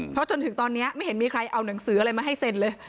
เพราะจนถึงตอนนี้ไม่เห็นมีใครเอาหนังสืออะไรมาให้เซ็นเลย